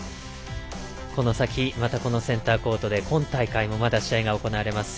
この先、またこのセンターコートで今大会もまだ試合が行われます。